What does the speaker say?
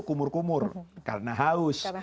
kumur kumur karena haus